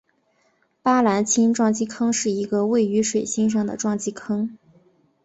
巴兰钦撞击坑是一个位于水星上的撞击坑。